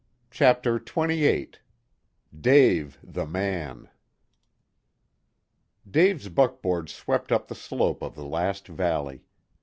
CHAPTER XXVIII DAVE THE MAN Dave's buckboard swept up the slope of the last valley.